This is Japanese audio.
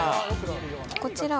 こちら。